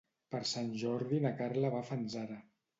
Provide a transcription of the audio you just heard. Per Sant Jordi na Carla va a Fanzara.